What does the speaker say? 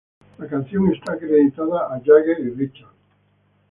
La canción está acreditada a Jagger y Richards.